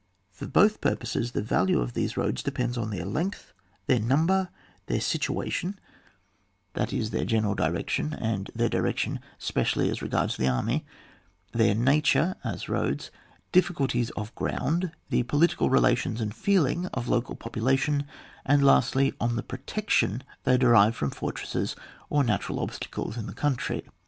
For both purposes the value of these roads depends on their length, their number^ their sittuition, that is tiLeir gene ral direction, and their direction specially as regards the army, their nature as roads, dijioulties of ground, the political relatione and feeling of local population^ and lastly, on the protection they derive from fortresses or natural obstacles in the country.